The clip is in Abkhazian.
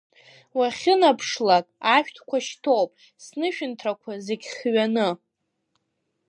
Уахьынаԥшлак ашәҭқәа шьҭоуп, снышәынҭрақәа зегь хҩаны.